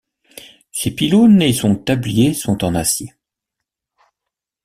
Ses pylônes et son tablier sont en acier.